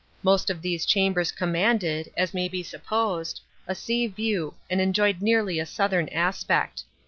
Most of these chambers commanded, as may be supposed, a sea view and enjoyed nearly a southern aspect.